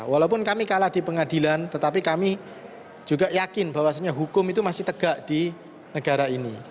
walaupun kami kalah di pengadilan tetapi kami juga yakin bahwasannya hukum itu masih tegak di negara ini